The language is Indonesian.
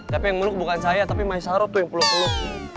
tapi yang meluk bukan saya tapi masyaro tuh yang peluk peluk